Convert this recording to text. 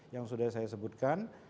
yang sudah saya sebutkan